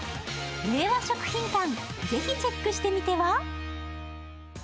令和食品館、ぜひチェックしてみては？